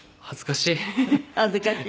恥ずかしい？